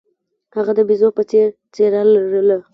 هغه د بیزو په څیر څیره لرله.